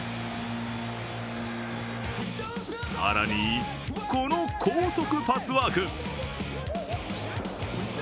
更に、この高速パスワーク。